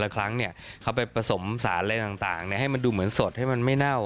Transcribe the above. ครั้งเขาไปผสมสารอะไรต่างให้มันดูเหมือนสดให้มันไม่เน่า